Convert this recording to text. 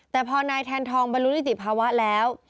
แต่พอนายแทนทองบรรลุนิติภาวะแล้ว